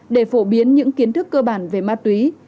để phổ biến những kiến thức cơ bản về ma túy